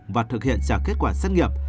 và thực hiện trả kết quả xét nghiệm